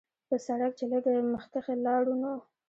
پۀ سړک چې لږ مخکښې لاړو نو